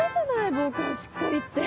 防寒しっかりって。